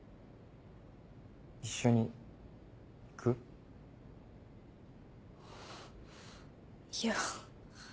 一緒に行く？いや。